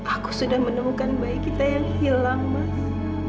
aku sudah menemukan bayi kita yang hilang mas